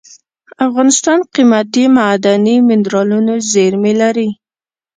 افغانستان قیمتي معدني منرالونو زیرمې لري.